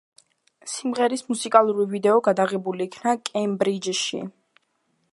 სიმღერის მუსიკალური ვიდეო გადაღებული იქნა კემბრიჯში.